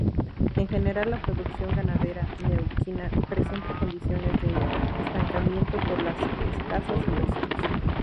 En general, la producción ganadera neuquina presenta condiciones de estancamiento por las escasas inversiones.